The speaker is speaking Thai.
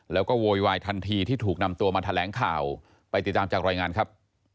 แล้วก็โวยวายทันทีที่ถูกนำตัวมาแถลงข่าวไปติดตามจากรายงานครับ